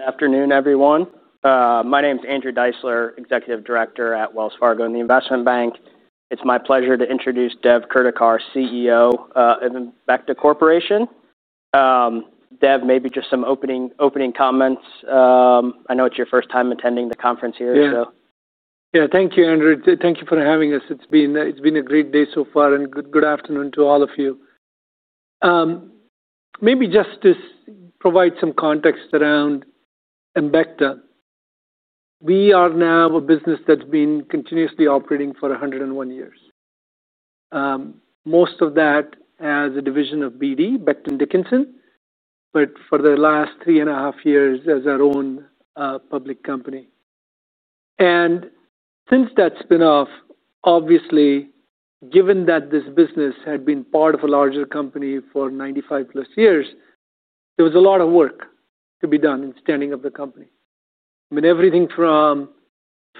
Good afternoon, everyone. My name is Andrew Deissler, Executive Director at Wells Fargo and the Investment Bank. It's my pleasure to introduce Dev Kurdikar, CEO of Embecta Corporation. Dev, maybe just some opening comments. I know it's your first time attending the conference here. Yeah, thank you, Andrew. Thank you for having us. It's been a great day so far, and good afternoon to all of you. Maybe just to provide some context around embecta, we are now a business that's been continuously operating for 101 years. Most of that as a division of BD, Becton, Dickinson, but for the last three and a half years as our own public company. Since that spin-off, obviously, given that this business had been part of a larger company for 95+ years, there was a lot of work to be done in the standing up of the company. Everything from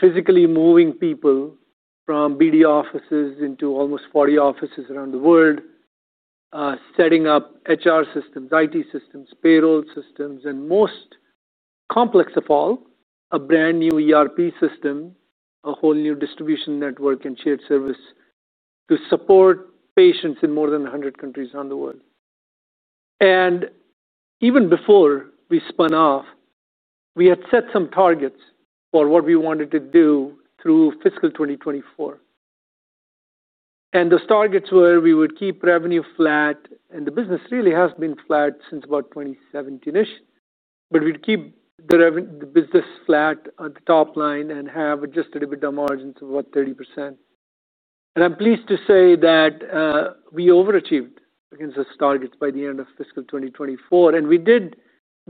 physically moving people from BD offices into almost 40 offices around the world, setting up HR systems, IT systems, payroll systems, and most complex of all, a brand new ERP system, a whole new distribution network, and shared service to support patients in more than 100 countries around the world. Even before we spun off, we had set some targets for what we wanted to do through fiscal 2024. Those targets were we would keep revenue flat, and the business really has been flat since about 2017, but we'd keep the business flat at the top line and have just a little bit of margin to about 30%. I'm pleased to say that we overachieved against those targets by the end of fiscal 2024.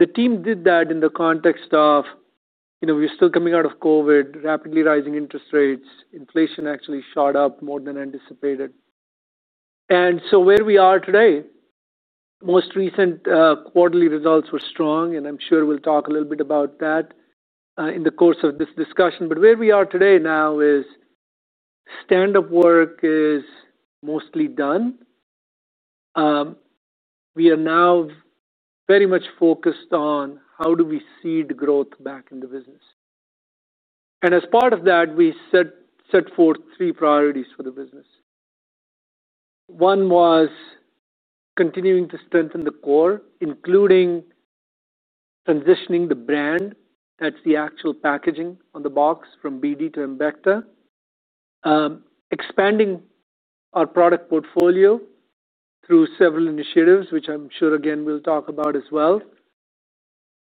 The team did that in the context of, you know, we were still coming out of COVID, rapidly rising interest rates, inflation actually shot up more than anticipated. Where we are today, most recent quarterly results were strong, and I'm sure we'll talk a little bit about that in the course of this discussion. Where we are today now is stand-up work is mostly done. We are now very much focused on how do we seed growth back in the business. As part of that, we set forth three priorities for the business. One was continuing to strengthen the core, including transitioning the brand, that's the actual packaging on the box from BD to embecta, expanding our product portfolio through several initiatives, which I'm sure, again, we'll talk about as well,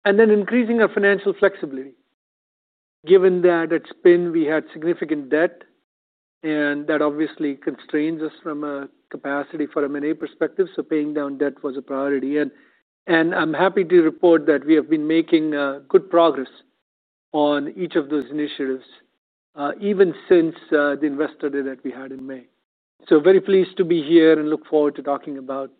and then increasing our financial flexibility. Given that at spin, we had significant debt, and that obviously constrains us from a capacity for M&A perspective. Paying down debt was a priority. I'm happy to report that we have been making good progress on each of those initiatives, even since the Investor Day that we had in May. Very pleased to be here and look forward to talking about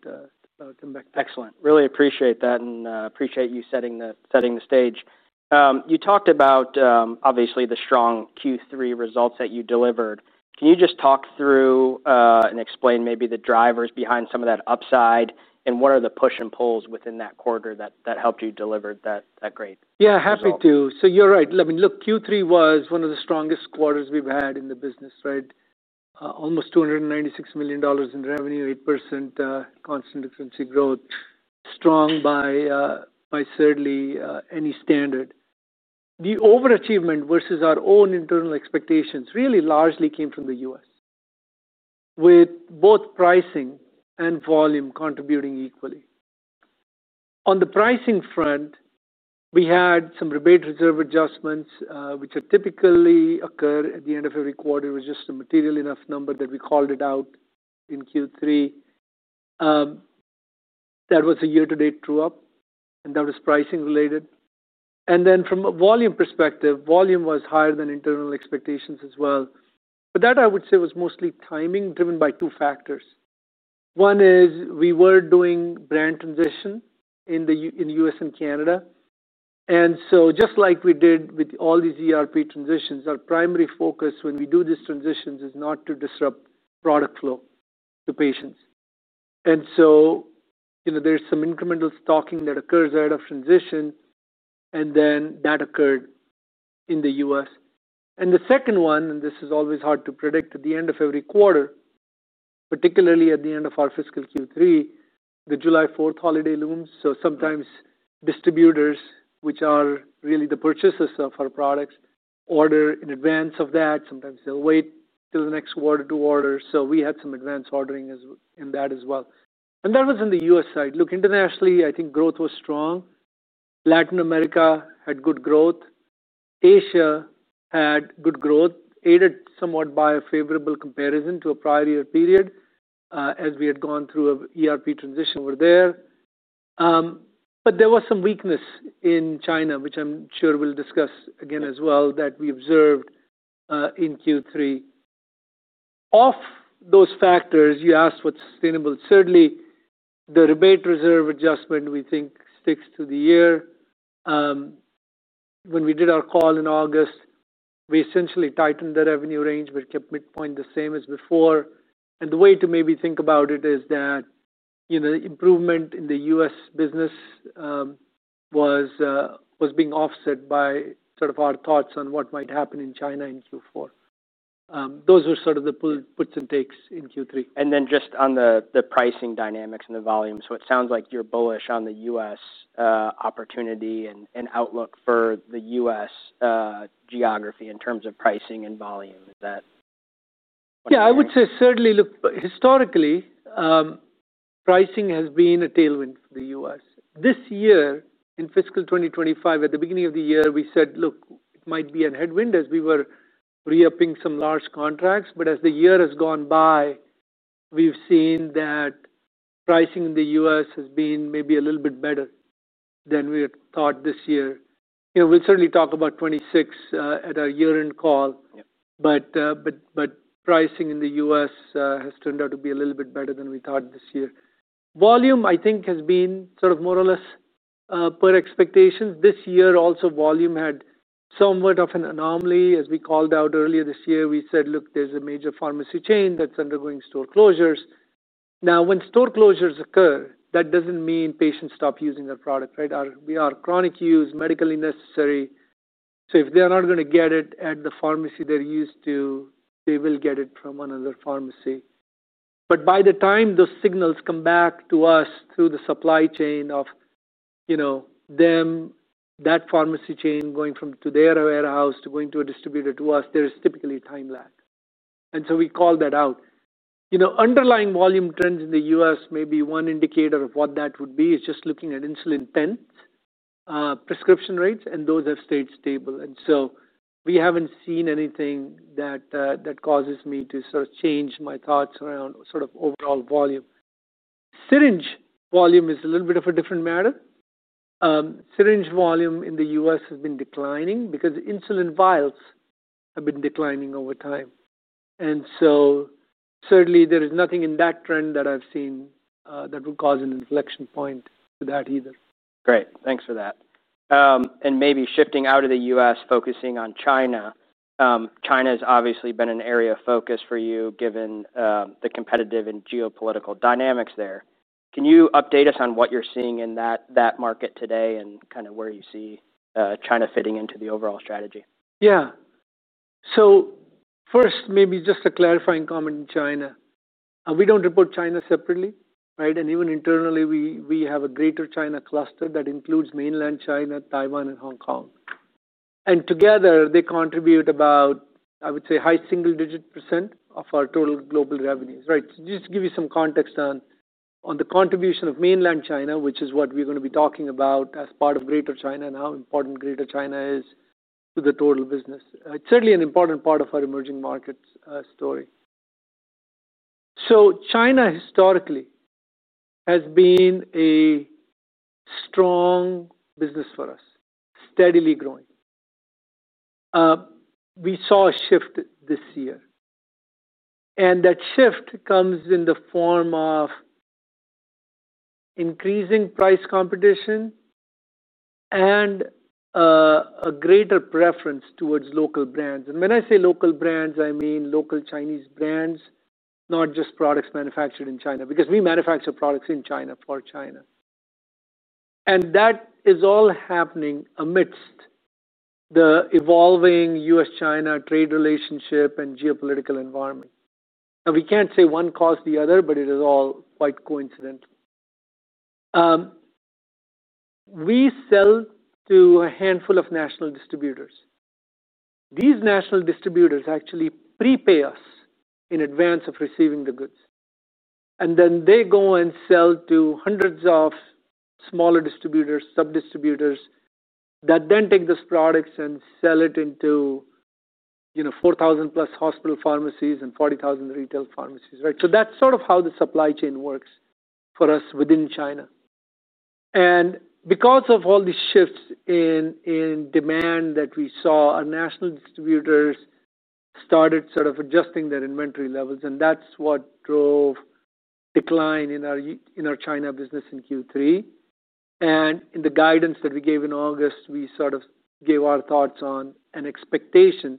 embecta. Excellent. Really appreciate that and appreciate you setting the stage. You talked about, obviously, the strong Q3 results that you delivered. Can you just talk through and explain maybe the drivers behind some of that upside and what are the push and pulls within that quarter that helped you deliver that great? Yeah, happy to. You're right. I mean, look, Q3 was one of the strongest quarters we've had in the business, right? Almost $296 million in revenue, 8% constant currency growth, strong by, certainly, any standard. The overachievement versus our own internal expectations really largely came from the U.S., with both pricing and volume contributing equally. On the pricing front, we had some rebate reserve adjustments, which typically occur at the end of every quarter. It was just a material enough number that we called it out in Q3. That was a year-to-date true- up, and that was pricing- related. From a volume perspective, volume was higher than internal expectations as well. That, I would say, was mostly timing driven by two factors. One is we were doing brand transition in the U.S. and Canada. Just like we did with all these ERP transitions, our primary focus when we do these transitions is not to disrupt product flow to patients. There's some incremental stocking that occurs out of transition, and that occurred in the U.S. The second one, and this is always hard to predict, at the end of every quarter, particularly at the end of our fiscal Q3, the July 4th holiday looms. Sometimes distributors, which are really the purchasers of our products, order in advance of that. Sometimes they'll wait till the next quarter to order. We had some advance ordering in that as well. That was on the U.S. side. Internationally, I think growth was strong. Latin America had good growth. Asia had good growth, aided somewhat by a favorable comparison to a prior year period, as we had gone through an ERP transition over there. There was some weakness in China, which I'm sure we'll discuss again as well, that we observed in Q3. Off those factors, you asked what's sustainable. Certainly, the rebate reserve adjustment we think sticks through the year. When we did our call in August, we essentially tightened the revenue range, but kept midpoint the same as before. The way to maybe think about it is that the improvement in the U.S. business was being offset by sort of our thoughts on what might happen in China in Q4. Those were sort of the puts and takes in Q3. On the pricing dynamics and the volume, it sounds like you're bullish on the U.S. opportunity and outlook for the U.S. geography in terms of pricing and volume. Is that? Yeah, I would say certainly, look, historically, pricing has been a tailwind for the U.S. This year, in fiscal 2025, at the beginning of the year, we said, look, it might be a headwind as we were re-upping some large contracts. As the year has gone by, we've seen that pricing in the U.S. has been maybe a little bit better than we had thought this year. We'll certainly talk about 2026 at our year-end call. Pricing in the U.S. has turned out to be a little bit better than we thought this year. Volume, I think, has been sort of more or less per expectations. This year, also, volume had somewhat of an anomaly. As we called out earlier this year, we said, look, there's a major pharmacy chain that's undergoing store closures. When store closures occur, that doesn't mean patients stop using their product, right? We are chronic use, medically necessary. If they're not going to get it at the pharmacy they're used to, they will get it from another pharmacy. By the time those signals come back to us through the supply chain of, you know, them, that pharmacy chain going from their warehouse to going to a distributor to us, there is typically a time lag. We call that out. Underlying volume trends in the U.S. may be one indicator of what that would be. It's just looking at insulin pens, prescription rates, and those have stayed stable. We haven't seen anything that causes me to sort of change my thoughts around sort of overall volume. Syringe volume is a little bit of a different matter. Syringe volume in the U.S. has been declining because insulin vials have been declining over time. Certainly, there is nothing in that trend that I've seen that would cause an inflection point with that either. Great. Thanks for that. Maybe shifting out of the U.S., focusing on China. China has obviously been an area of focus for you given the competitive and geopolitical dynamics there. Can you update us on what you're seeing in that market today and kind of where you see China fitting into the overall strategy? Yeah. First, maybe just a clarifying comment in China. We don't report China separately, right? Even internally, we have a Greater China cluster that includes mainland China, Taiwan, and Hong Kong. Together, they contribute about, I would say, high single-digit percent of our total global revenues, right? Just to give you some context on the contribution of mainland China, which is what we're going to be talking about as part of Greater China and how important Greater China is to the total business. It's certainly an important part of our emerging markets story. China historically has been a strong business for us, steadily growing. We saw a shift this year. That shift comes in the form of increasing price competition and a greater preference towards local brands. When I say local brands, I mean local Chinese brands, not just products manufactured in China, because we manufacture products in China for China. That is all happening amidst the evolving U.S.-China trade relationship and geopolitical environment. We can't say one caused the other, but it is all quite coincidental. We sell to a handful of national distributors. These national distributors actually prepay us in advance of receiving the goods. They go and sell to hundreds of smaller distributors, sub-distributors that then take those products and sell it into 4,000+ hospital pharmacies and 40,000 retail pharmacies, right? That's sort of how the supply chain works for us within China. Because of all these shifts in demand that we saw, our national distributors started adjusting their inventory levels. That's what drove a decline in our China business in Q3. In the guidance that we gave in August, we gave our thoughts on an expectation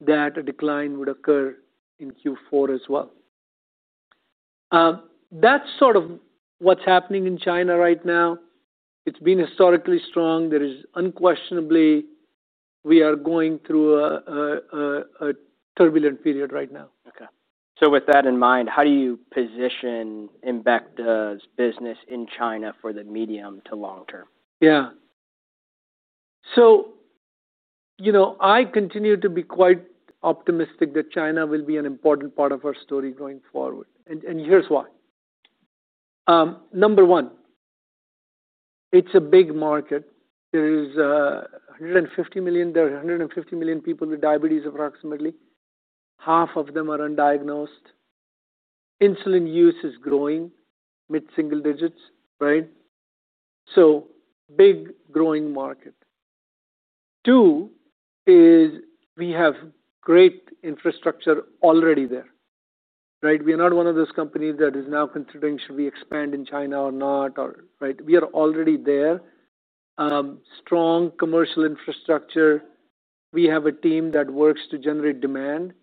that a decline would occur in Q4 as well. That's what's happening in China right now. It's been historically strong. There is unquestionably, we are going through a turbulent period right now. Okay. With that in mind, how do you position embecta's business in China for the medium to long term? Yeah. I continue to be quite optimistic that China will be an important part of our story going forward. Here's why. Number one, it's a big market. There are 150 million people with diabetes, approximately. Half of them are undiagnosed. Insulin use is growing mid-single digits, right? Big growing market. Two is we have great infrastructure already there, right? We are not one of those companies that is now considering, should we expand in China or not, right? We are already there. Strong commercial infrastructure. We have a team that works to generate demand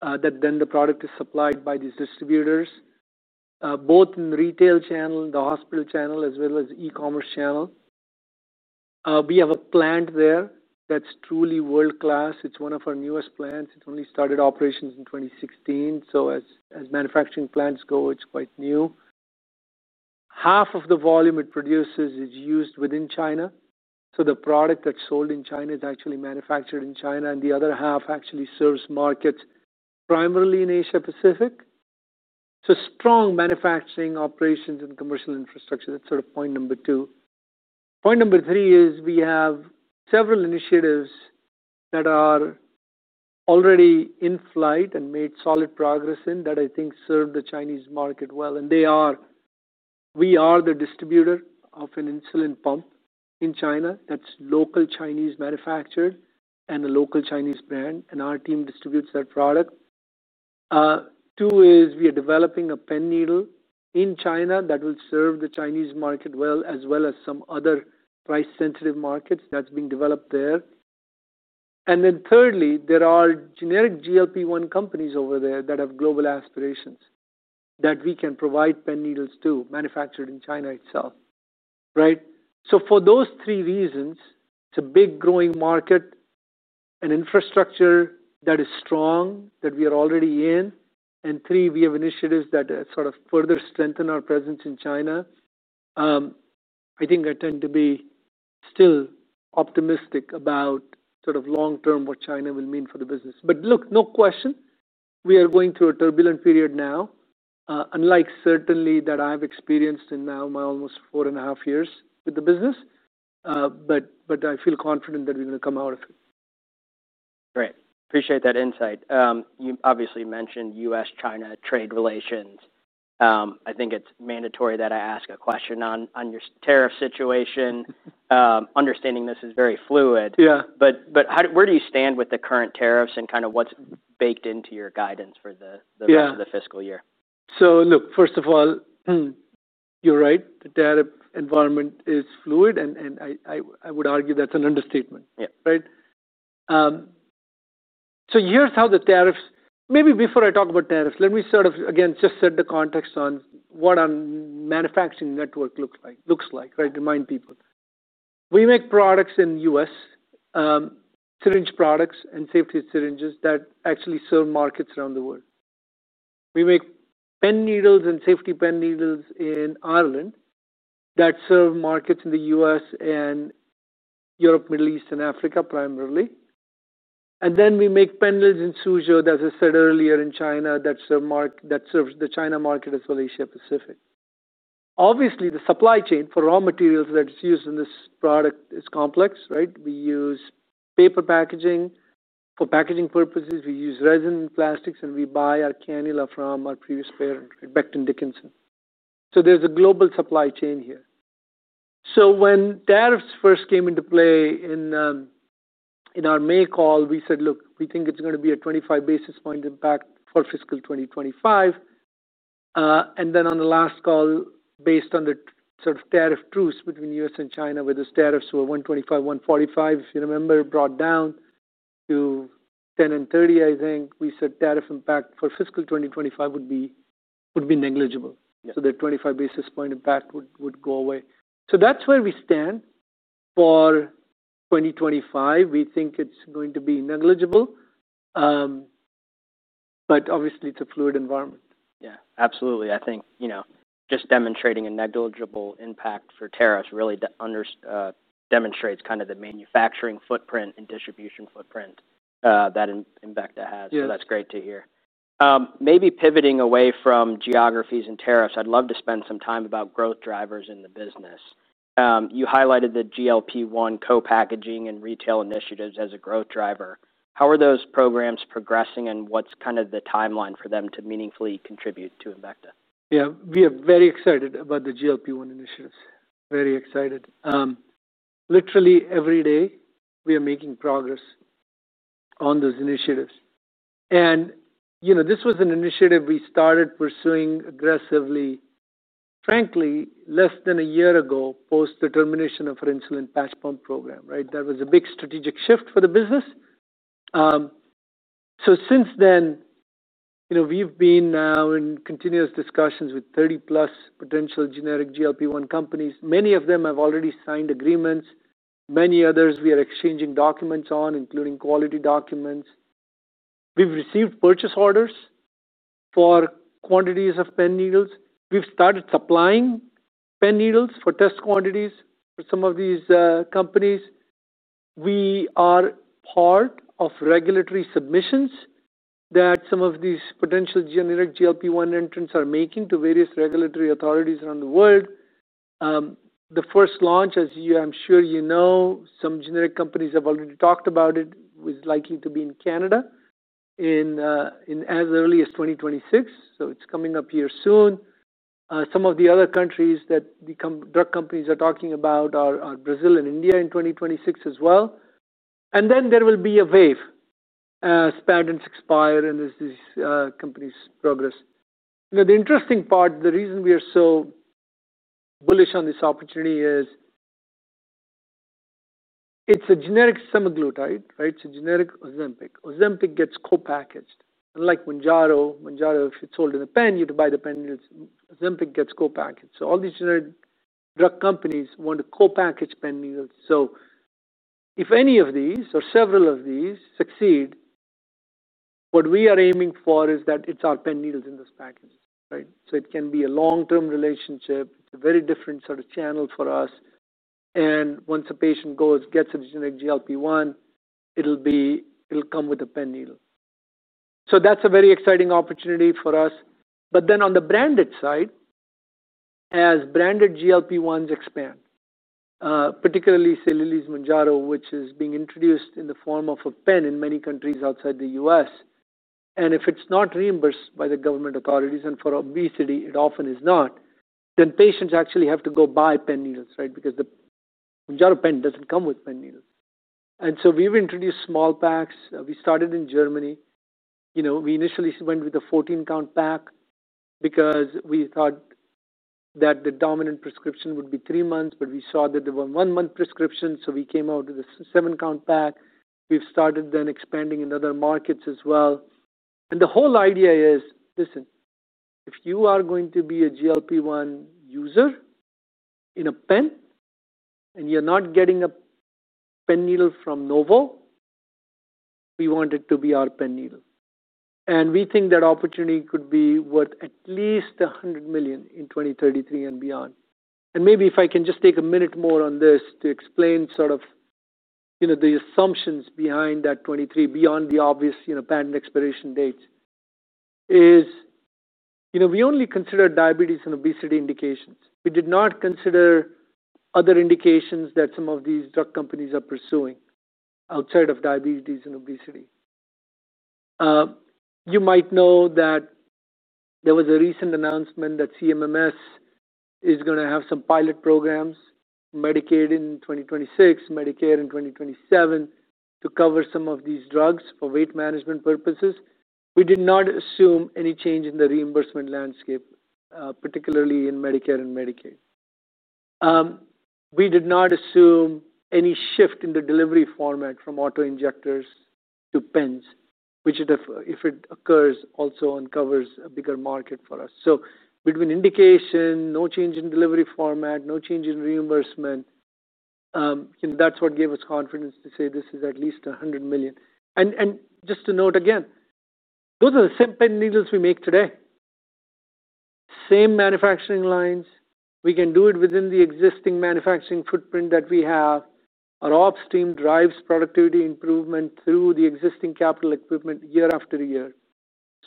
that then the product is supplied by these distributors, both in the retail channel, the hospital channel, as well as the e-commerce channel. We have a plant there that's truly world-class. It's one of our newest plants. It only started operations in 2016. As manufacturing plants go, it's quite new. Half of the volume it produces is used within China. The product that's sold in China is actually manufactured in China, and the other half actually serves markets primarily in Asia. Strong manufacturing operations and commercial infrastructure. That's sort of point number two. Point number three is we have several initiatives that are already in flight and made solid progress in that I think serve the Chinese market well. We are the distributor of an insulin pump in China that's local Chinese manufactured and a local Chinese brand, and our team distributes that product. Two is we are developing a pen needle in China that will serve the Chinese market well, as well as some other price-sensitive markets that's being developed there. Thirdly, there are generic GLP-1 companies over there that have global aspirations that we can provide pen needles to manufactured in China itself, right? For those three reasons, it's a big growing market, an infrastructure that is strong that we are already in, and we have initiatives that sort of further strengthen our presence in China. I think I tend to be still optimistic about sort of long-term what China will mean for the business. No question, we are going through a turbulent period now, unlike certainly that I've experienced in now my almost four and a half years with the business. I feel confident that we're going to come out of it. Great. Appreciate that insight. You obviously mentioned U.S.-China trade relations. I think it's mandatory that I ask a question on your tariff situation. Understanding this is very fluid, where do you stand with the current tariffs and kind of what's baked into your guidance for the rest of the fiscal year? First of all, you're right. The tariff environment is fluid, and I would argue that's an understatement, right? Here's how the tariffs—maybe before I talk about tariffs, let me just set the context on what our manufacturing network looks like, to remind people. We make products in the U.S., syringe products and safety syringes that actually serve markets around the world. We make pen needles and safety pen needles in Ireland that serve markets in the U.S. and Europe, Middle East, and Africa primarily. We make pen needles and Suzhou, that I said earlier, in China that serve the China market as well as Asia-Pacific. Obviously, the supply chain for raw materials that is used in this product is complex, right? We use paper packaging for packaging purposes. We use resin and plastics, and we buy our cannula from our previous parent, Becton, Dickinson. There's a global supply chain here. When tariffs first came into play in our May call, we said we think it's going to be a 25 basis points impact for fiscal 2025. On the last call, based on the tariff truce between the U.S. and China, where those tariffs were 125 basis points, 145 basis points, if you remember, brought down to 10 basis points and 30 basis points, I think we said tariff impact for fiscal 2025 would be negligible. That 25 basis points impact would go away. That's where we stand for 2025. We think it's going to be negligible. Obviously, it's a fluid environment. Yeah, absolutely. I think just demonstrating a negligible impact for tariffs really demonstrates kind of the manufacturing footprint and distribution footprint that embecta has. That's great to hear. Maybe pivoting away from geographies and tariffs, I'd love to spend some time about growth drivers in the business. You highlighted the GLP-1 co-packaging and retail initiatives as a growth driver. How are those programs progressing and what's kind of the timeline for them to meaningfully contribute to embecta? Yeah, we are very excited about the GLP-1 initiatives. Very excited. Literally, every day, we are making progress on those initiatives. This was an initiative we started pursuing aggressively, frankly, less than a year ago post the termination of our insulin patch pump program, right? That was a big strategic shift for the business. Since then, we've been now in continuous discussions with 30+ potential generic GLP-1 companies. Many of them have already signed agreements. Many others we are exchanging documents on, including quality documents. We've received purchase orders for quantities of pen needles. We've started supplying pen needles for test quantities for some of these companies. We are part of regulatory submissions that some of these potential generic GLP-1 entrants are making to various regulatory authorities around the world. The first launch, as you I'm sure you know, some generic companies have already talked about it, was likely to be in Canada in as early as 2026. It's coming up here soon. Some of the other countries that the drug companies are talking about are Brazil and India in 2026 as well. There will be a wave as patents expire and as these companies progress. The interesting part, the reason we are so bullish on this opportunity is it's a generic semaglutide, right? It's a generic Ozempic. Ozempic gets co-packaged. Unlike Mounjaro, Mounjaro if it's sold in a pen, you have to buy the pen needles. Ozempic gets co-packaged. All these generic drug companies want to co-package pen needles. If any of these or several of these succeed, what we are aiming for is that it's our pen needles in those packages, right? It can be a long-term relationship. It's a very different sort of channel for us. Once a patient goes, gets a generic GLP-1, it'll come with a pen needle. That's a very exciting opportunity for us. On the branded side, as branded GLP-1s expand, particularly Cellulose Mounjaro, which is being introduced in the form of a pen in many countries outside the U.S., and if it's not reimbursed by the government authorities and for obesity, it often is not, then patients actually have to go buy pen needles, right? The Mounjaro pen doesn't come with pen needles. We've introduced small packs. We started in Germany. You know, we initially went with a 14-count pack because we thought that the dominant prescription would be three months, but we saw that there were one-month prescriptions, so we came out with a seven-count pack. We've started then expanding in other markets as well. The whole idea is, listen, if you are going to be a GLP-1 user in a pen and you're not getting a pen needle from Novo, we want it to be our pen needle. We think that opportunity could be worth at least $100 million in 2033 and beyond. Maybe if I can just take a minute more on this to explain sort of, you know, the assumptions behind that 2033, beyond the obvious, you know, patent expiration dates, is, you know, we only consider diabetes and obesity indications. We did not consider other indications that some of these drug companies are pursuing outside of diabetes and obesity. You might know that there was a recent announcement that CMS is going to have some pilot programs, Medicaid in 2026, Medicare in 2027, to cover some of these drugs for weight management purposes. We did not assume any change in the reimbursement landscape, particularly in Medicare and Medicaid. We did not assume any shift in the delivery format from auto injectors to pens, which, if it occurs, also uncovers a bigger market for us. Between indication, no change in delivery format, no change in reimbursement, that's what gave us confidence to say this is at least $100 million. Just to note again, those are the same pen needles we make today. Same manufacturing lines. We can do it within the existing manufacturing footprint that we have. Our offstream drives productivity improvement through the existing capital equipment year after year.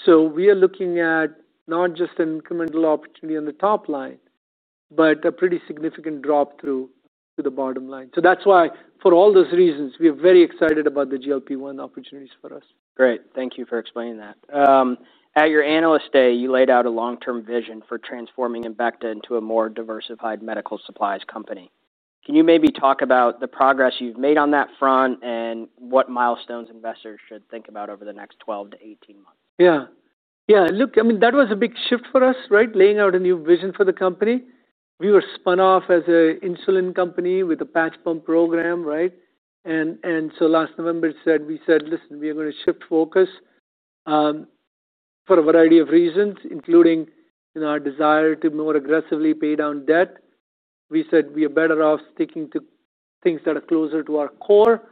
We are looking at not just an incremental opportunity on the top line, but a pretty significant drop through to the bottom line. For all those reasons, we are very excited about the GLP-1 opportunities for us. Great. Thank you for explaining that. At your analyst day, you laid out a long-term vision for transforming embecta into a more diversified medical supplies company. Can you maybe talk about the progress you've made on that front and what milestones investors should think about over the next 12 months- 18 months? Yeah. Yeah. Look, I mean, that was a big shift for us, right? Laying out a new vision for the company. We were spun off as an insulin company with a patch pump program, right? Last November, we said, listen, we are going to shift focus for a variety of reasons, including our desire to more aggressively pay down debt. We said we are better off sticking to things that are closer to our core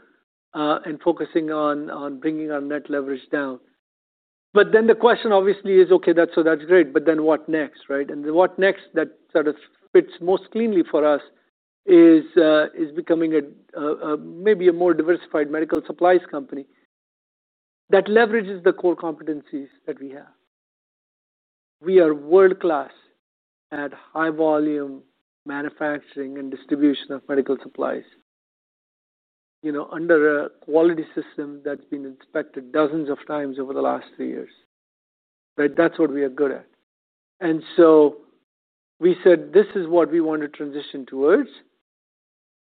and focusing on bringing our net leverage down. The question obviously is, okay, that's great, but then what next, right? The what next that sort of fits most cleanly for us is becoming maybe a more diversified medical supplies company that leverages the core competencies that we have. We are world-class at high-volume manufacturing and distribution of medical supplies under a quality system that's been inspected dozens of times over the last three years, right? That's what we are good at. We said this is what we want to transition towards.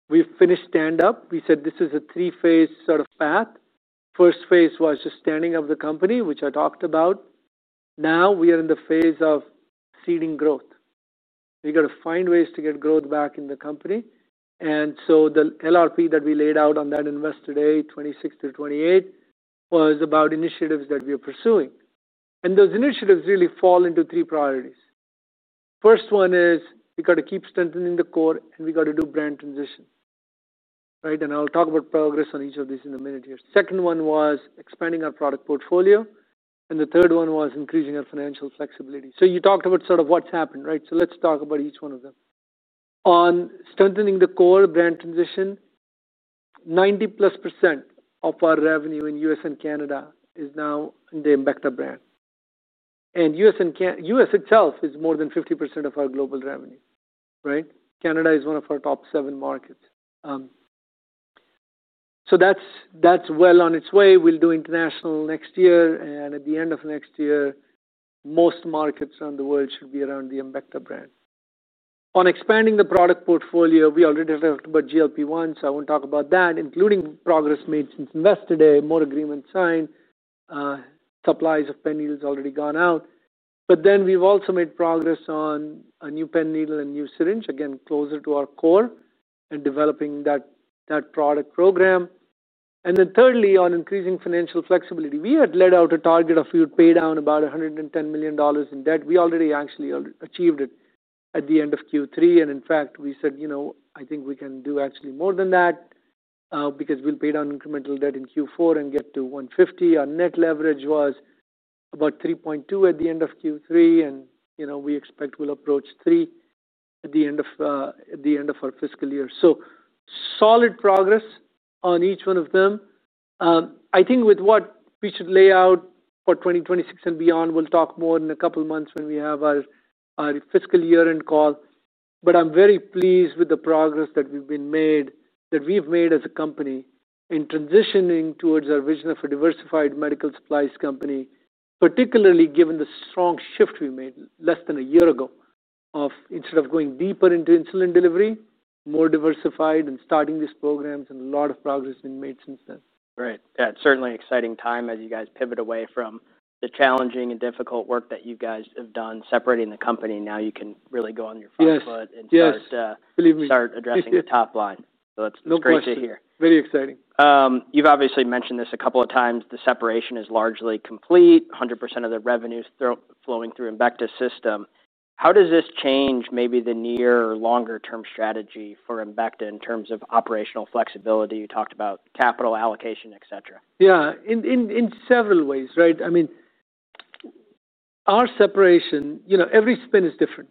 We finished stand-up. We said this is a three-phase sort of path. The first phase was just standing up the company, which I talked about. Now we are in the phase of seeding growth. We got to find ways to get growth back in the company. The LRP that we laid out on that investor day, 2026- 2028, was about initiatives that we are pursuing. Those initiatives really fall into three priorities. The first one is we got to keep strengthening the core, and we got to do brand transition, right? I'll talk about progress on each of these in a minute here. The second one was expanding our product portfolio, and the third one was increasing our financial flexibility. You talked about sort of what's happened, right? Let's talk about each one of them. On strengthening the core brand transition, 90%+ of our revenue in the U.S. and Canada is now in the embecta brand. The U.S. itself is more than 50% of our global revenue, right? Canada is one of our top seven markets. That's well on its way. We'll do international next year, and at the end of next year, most markets around the world should be around the embecta brand. On expanding the product portfolio, we already talked about GLP-1, so I won't talk about that, including progress made since investor day, more agreements signed, supplies of pen needles already gone out. We've also made progress on a new pen needle and new syringe, again, closer to our core and developing that product program. Thirdly, on increasing financial flexibility, we had laid out a target of we would pay down about $110 million in debt. We already actually achieved it at the end of Q3. In fact, we said, you know, I think we can do actually more than that because we'll pay down incremental debt in Q4 and get to $150 million. Our net leverage was about 3.2 at the end of Q3, and we expect we'll approach 3 at the end of our fiscal year. Solid progress on each one of them. I think with what we should lay out for 2026 and beyond, we'll talk more in a couple of months when we have our fiscal year-end call. I'm very pleased with the progress that we've made as a company in transitioning towards our vision of a diversified medical supplies company, particularly given the strong shift we made less than a year ago of instead of going deeper into insulin delivery, more diversified and starting these programs, and a lot of progress has been made since then. Right. Yeah, it's certainly an exciting time as you guys pivot away from the challenging and difficult work that you guys have done separating the company. Now you can really go on your forefoot and start addressing the top line. That's great to hear. Very exciting. You've obviously mentioned this a couple of times. The separation is largely complete. 100% of the revenue is flowing through embecta's system. How does this change maybe the near or longer-term strategy for embecta in terms of operational flexibility? You talked about capital allocation, etc. Yeah, in several ways, right? I mean, our separation, you know, every spin is different.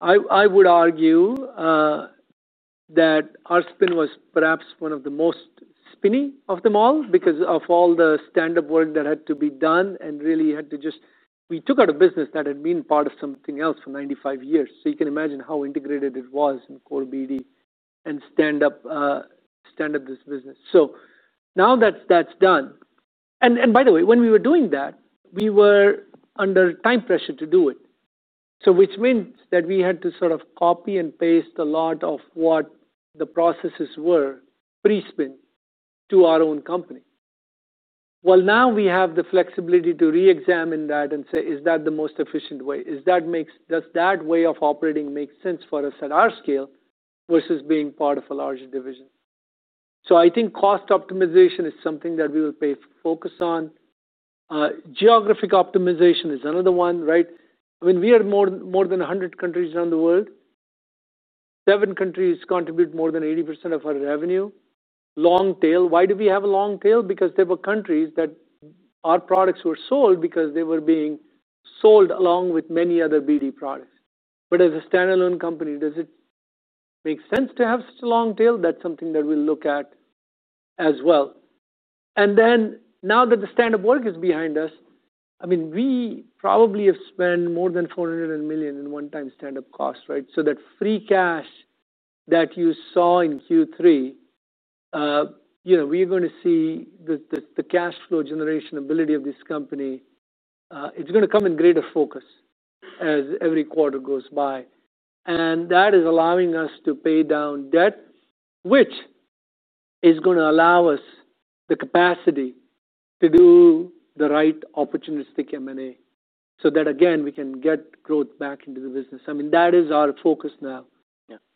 I would argue that our spin was perhaps one of the most spinny of them all because of all the stand-up work that had to be done and really had to just, we took out a business that had been part of something else for 95 years. You can imagine how integrated it was in core BD and stand-up this business. Now that's done. By the way, when we were doing that, we were under time pressure to do it, which means that we had to sort of copy and paste a lot of what the processes were pre-spin to our own company. Now we have the flexibility to re-examine that and say, is that the most efficient way? Does that way of operating make sense for us at our scale versus being part of a larger division? I think cost optimization is something that we will focus on. Geographic optimization is another one, right? I mean, we are in more than 100 countries around the world. Seven countries contribute more than 80% of our revenue. Long tail. Why do we have a long tail? Because there were countries that our products were sold because they were being sold along with many other BD products. As a standalone company, does it make sense to have such a long tail? That's something that we'll look at as well. Now that the stand-up work is behind us, we probably have spent more than $400 million in one-time stand-up costs, right? That free cash that you saw in Q3, we're going to see the cash flow generation ability of this company. It's going to come in greater focus as every quarter goes by. That is allowing us to pay down debt, which is going to allow us the capacity to do the right opportunistic M&A so that, again, we can get growth back into the business. That is our focus now.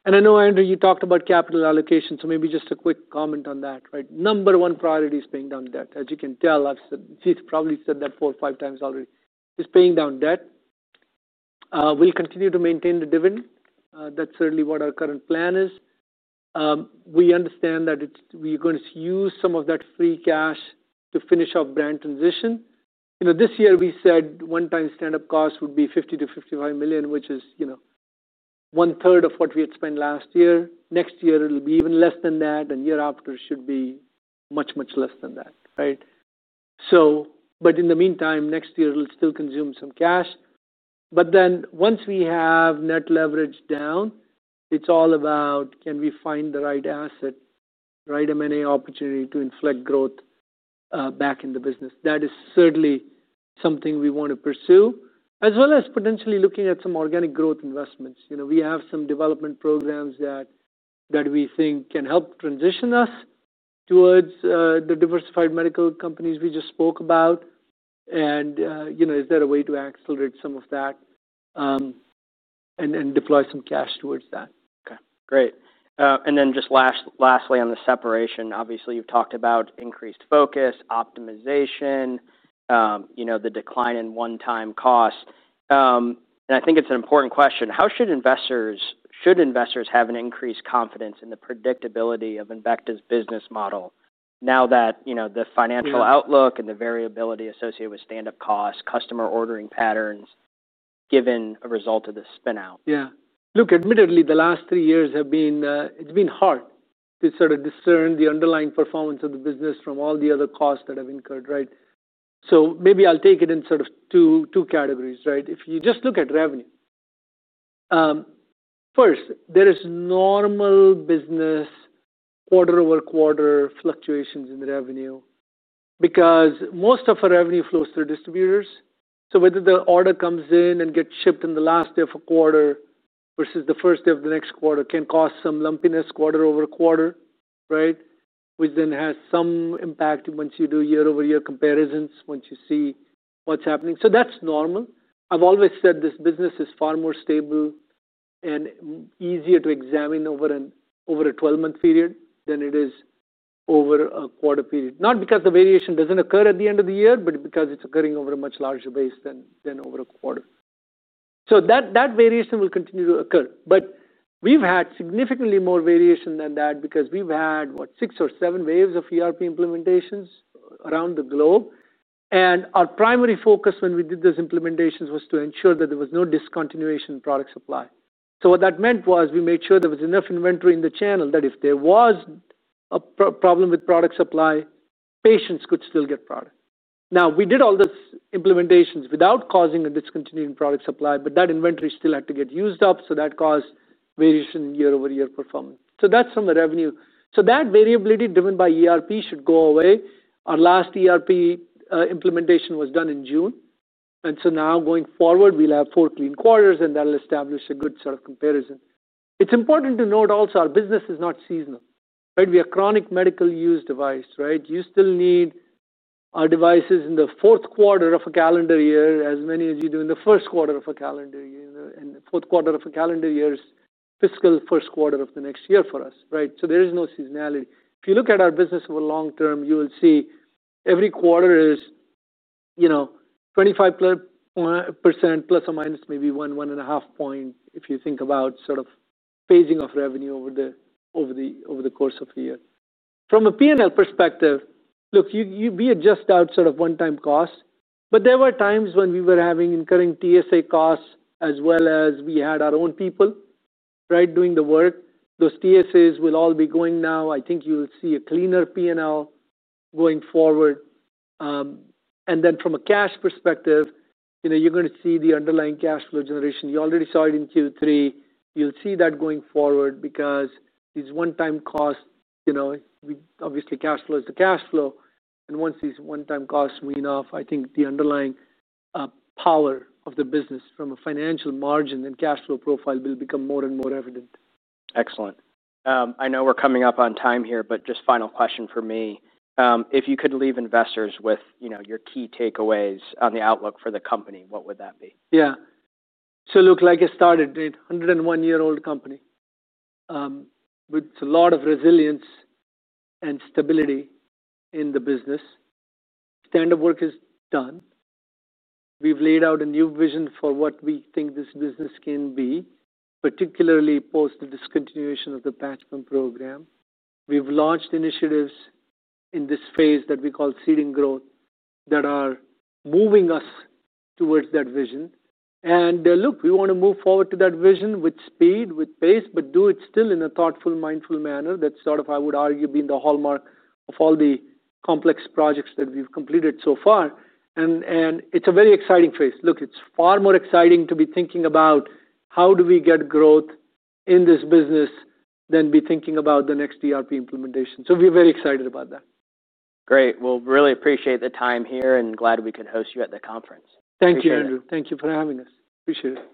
I know, Andrew, you talked about capital allocation, so maybe just a quick comment on that, right? Number one priority is paying down debt. As you can tell, I've probably said that four or five times already. It's paying down debt. We'll continue to maintain the dividend. That's certainly what our current plan is. We understand that we're going to use some of that free cash to finish our brand transition. This year we said one-time stand-up costs would be $50 million- $55 million, which is one-third of what we had spent last year. Next year, it'll be even less than that, and the year after it should be much, much less than that, right? In the meantime, next year we'll still consume some cash. Once we have net leverage down, it's all about can we find the right asset, right M&A opportunity to inflect growth back in the business. That is certainly something we want to pursue, as well as potentially looking at some organic growth investments. We have some development programs that we think can help transition us towards the diversified medical companies we just spoke about. Is there a way to accelerate some of that and deploy some cash towards that? Great. Lastly, on the separation, obviously you've talked about increased focus, optimization, the decline in one-time costs. I think it's an important question. Should investors have increased confidence in the predictability of embecta's business model now that the financial outlook and the variability associated with stand-up costs, customer ordering patterns, are a result of the spin-out? Yeah. Look, admittedly, the last three years have been, it's been hard to sort of discern the underlying performance of the business from all the other costs that have incurred, right? Maybe I'll take it in sort of two categories, right? If you just look at revenue, first, there is normal business quarter- over- quarter fluctuations in the revenue because most of our revenue flows through distributors. Whether the order comes in and gets shipped in the last day of a quarter versus the first day of the next quarter can cause some lumpiness quarter over quarter, right? Which then has some impact once you do year-over-year comparisons, once you see what's happening. That's normal. I've always said this business is far more stable and easier to examine over a 12-month period than it is over a quarter period. Not because the variation doesn't occur at the end of the year, but because it's occurring over a much larger base than over a quarter. That variation will continue to occur. We've had significantly more variation than that because we've had, what, six or seven waves of ERP implementations around the globe. Our primary focus when we did those implementations was to ensure that there was no discontinuation in product supply. What that meant was we made sure there was enough inventory in the channel that if there was a problem with product supply, patients could still get product. We did all those implementations without causing a discontinuing product supply, but that inventory still had to get used up. That caused variation in year-over-year performance. That's from a revenue. That variability driven by ERP should go away. Our last ERP implementation was done in June. Now going forward, we'll have four clean quarters, and that'll establish a good sort of comparison. It's important to note also our business is not seasonal. We are a chronic medical use device, right? You still need our devices in the fourth quarter of a calendar year as many as you do in the first quarter of a calendar year. The fourth quarter of a calendar year is fiscal first quarter of the next year for us, right? There is no seasonality. If you look at our business over long term, you will see every quarter is, you know, 25%± maybe one, one and a half point if you think about sort of paging of revenue over the course of a year. From a P&L perspective, we adjust out sort of one-time costs. There were times when we were incurring TSA costs as well as we had our own people, right, doing the work. Those TSAs will all be going now. I think you'll see a cleaner P&L going forward. From a cash perspective, you're going to see the underlying cash flow generation. You already saw it in Q3. You'll see that going forward because these one-time costs, you know, obviously cash flow is the cash flow. Once these one-time costs wean off, I think the underlying power of the business from a financial margin and cash flow profile will become more and more evident. Excellent. I know we're coming up on time here, but just final question for me. If you could leave investors with, you know, your key takeaways on the outlook for the company, what would that be? Yeah. Look, like I started, it's a 101-year-old company with a lot of resilience and stability in the business. Stand-up work is done. We've laid out a new vision for what we think this business can be, particularly post the discontinuation of the patch pump program. We've launched initiatives in this phase that we call seeding growth that are moving us towards that vision. We want to move forward to that vision with speed, with pace, but do it still in a thoughtful, mindful manner. That's sort of, I would argue, being the hallmark of all the complex projects that we've completed so far. It's a very exciting phase. It's far more exciting to be thinking about how do we get growth in this business than be thinking about the next ERP implementation. We're very excited about that. Great. I really appreciate the time here and glad we could host you at the conference. Thank you, Andrew. Thank you for having us. Appreciate it.